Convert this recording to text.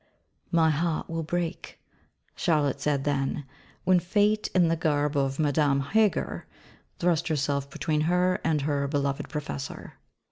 'My heart will break,' Charlotte said then: when fate (in the garb of Madame Heger) thrust herself between her and her beloved Professor.